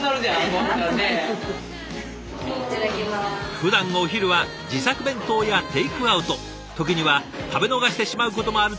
ふだんお昼は自作弁当やテイクアウト時には食べ逃してしまうこともあるという皆さん。